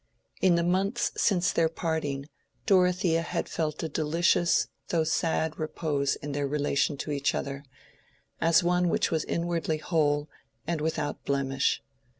In the months since their parting Dorothea had felt a delicious though sad repose in their relation to each other, as one which was inwardly whole and without blemish.